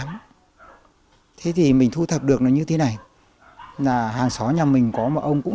ông hy sinh năm một nghìn chín trăm sáu mươi tám thế thì mình thu thập được nó như thế này hàng xó nhà mình có một ông cũng